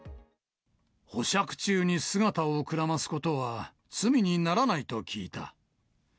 保釈中に姿をくらますことは罪にならないと聞いた。